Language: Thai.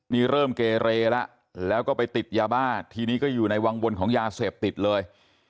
นี่เริ่มเกเรแล้วแล้วก็ไปติดยาบ้าทีนี้ก็อยู่ในวังวนของยาเสพติดเลย